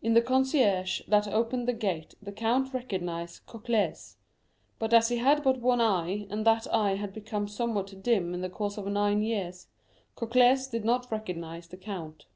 In the concierge that opened the gate the count recognized Cocles; but as he had but one eye, and that eye had become somewhat dim in the course of nine years, Cocles did not recognize the count.